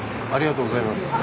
ありがとうございます。